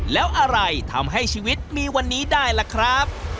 แล้วอะไรทำให้ชีวิตมีวันนี้ได้ล่ะครับ